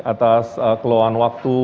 atas keluhan waktu